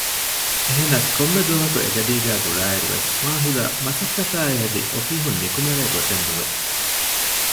އެހެނަސް ކޮންމެ ދުވަހަކު އެގަޑީގައި ގުޅާއިރުވެސް މާޙިލަށް މަސައްކަތާއި ހެދި އޮފީހުން ނިކުމެވޭގޮތެއް ނުވެ